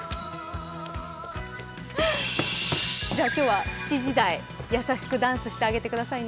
今日は７時台、優しくダンスしてあげてくださいね。